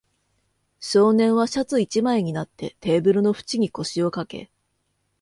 少年はシャツ一枚になって、テーブルの縁に腰をかけ、